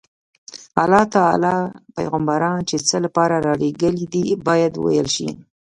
الله تعالی پیغمبران د څه لپاره رالېږلي دي باید وویل شي.